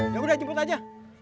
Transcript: yaudah jemput aja